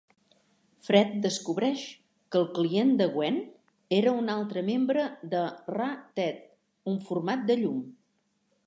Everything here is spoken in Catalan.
Fred descobreix que el client de Gwen era un altre membre de Ra-tet, un format de llum.